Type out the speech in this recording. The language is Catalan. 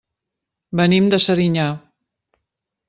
Venim de Serinyà.